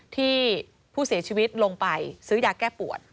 ที่ผู้เสียชีวิตลงไปซื้อยาแก้ปวด